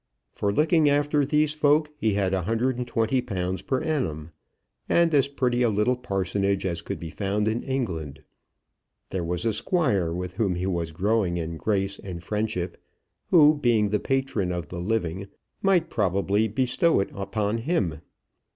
For looking after these folk he had £120 per annum, and as pretty a little parsonage as could be found in England. There was a squire with whom he was growing in grace and friendship, who, being the patron of the living, might probably bestow it upon him.